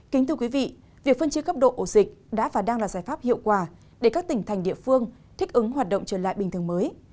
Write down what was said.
kính thưa quý vị việc phân chia cấp độ ổ dịch đã và đang là giải pháp hiệu quả để các tỉnh thành địa phương thích ứng hoạt động trở lại bình thường mới